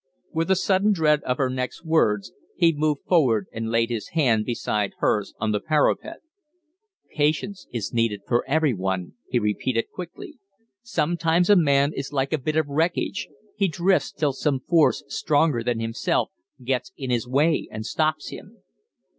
With a sudden dread of her next words, he moved forward and laid his hand beside hers on the parapet. "Patience is needed for every one," he repeated, quickly. "Sometimes a man is like a bit of wreckage; he drifts till some force stronger than himself gets in his way and stops him."